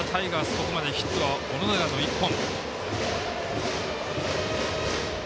ここまでヒットは小野寺の１本。